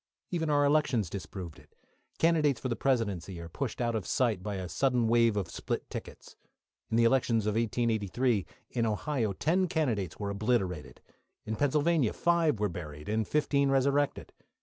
Even our elections disproved it. Candidates for the Presidency are pushed out of sight by a sudden wave of split tickets. In the elections of 1883, in Ohio ten candidates were obliterated; in Pennsylvania five were buried and fifteen resurrected.